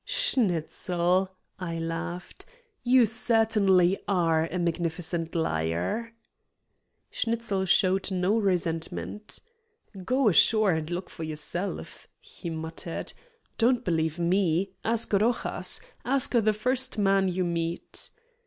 "Schnitzel," I laughed, "you certainly are a magnificent liar." Schnitzel showed no resentment. "Go ashore and look for yourself," he muttered. "Don't believe me. Ask Rojas. Ask the first man you meet."